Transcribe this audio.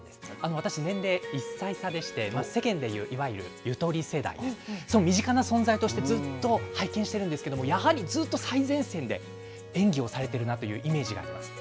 私、年齢１歳差でして、世間で言ういわゆるゆとり世代、その身近な存在としてずっと拝見してるんですけれども、やはりずっと最前線で演技をされてるなというイメージがあります。